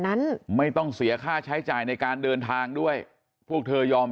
นั้นไม่ต้องเสียค่าใช้จ่ายในการเดินทางด้วยพวกเธอยอม